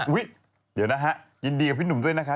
เดี๋ยวนะฮะยินดีกับพี่หนุ่มด้วยนะคะ